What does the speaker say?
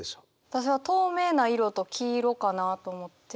私は透明な色と黄色かなと思って。